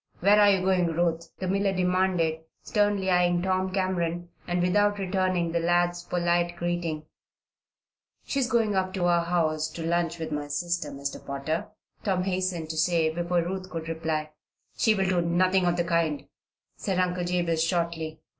"Where are you going, Ruth?" the miller demanded, sternly eyeing Tom Cameron, and without returning the lad's polite greeting. "She is going up to our house to lunch with my sister, Mr. Potter," Tom hastened to say before Ruth could reply. "She will do nothing of the kind," said Uncle Jabez, shortly.